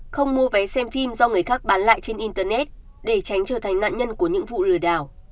không mua vé xem phim do người khác bán lại trên internet để tránh trở thành nạn nhân của những vụ lừa đảo